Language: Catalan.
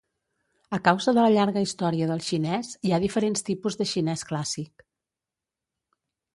A causa de la llarga història del xinès, hi ha diferents tipus de xinès clàssic.